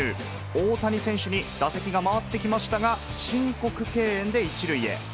大谷選手に打席が回ってきましたが、申告敬遠で１塁へ。